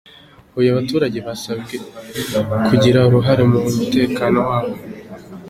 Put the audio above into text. Huye Abaturage basabwe kugira uruhare mu mutekano wabo